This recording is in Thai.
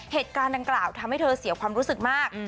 เหตุการณ์ดังกล่าวทำให้เธอเสียความรู้สึกมาก